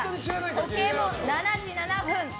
時計も７時７分。